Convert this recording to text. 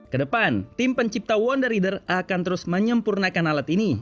kedepan tim pencipta wonder reader akan terus menyempurnakan alat ini